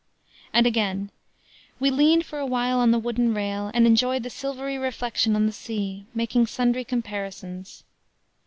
And again: "We leaned for awhile on the wooden rail and enjoyed the silvery reflection on the sea, making sundry comparisons.